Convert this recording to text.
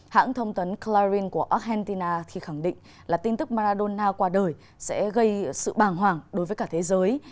hãng thông tấn chlorin của argentina khi khẳng định là tin tức maradona qua đời sẽ gây sự bàng hoàng đối với cả thế giới